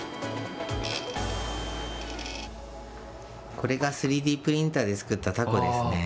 これが３Ｄプリンターで作ったたこですね。